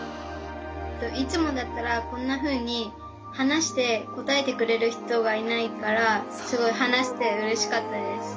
いつもだったらこんなふうに話して答えてくれる人がいないからすごい話してうれしかったです。